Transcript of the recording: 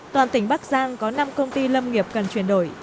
toàn tỉnh bắc giang có năm công ty lâm nghiệp cần chuyển đổi